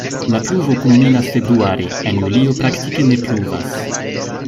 La pluvo kulminas februare, en julio praktike ne pluvas.